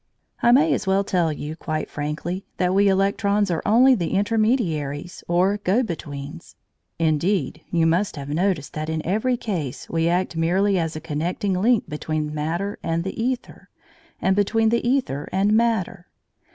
I may as well tell you quite frankly that we electrons are only the intermediaries or go betweens. Indeed, you must have noticed that in every case we act merely as a connecting link between matter and the æther, and between the æther and matter.